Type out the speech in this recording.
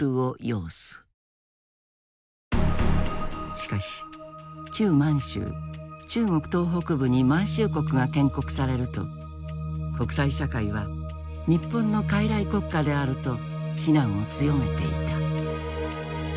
しかし旧満州中国東北部に満州国が建国されると国際社会は日本の傀儡国家であると非難を強めていた。